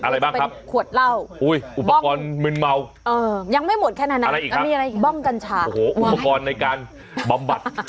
อะไรบ้างครับอุปกรณ์มืนเมาอื้อยังไม่หมดแค่นั้นนะอะไรอีกครับบ้องกัญชาโอ้โหอุปกรณ์ในการบำบัด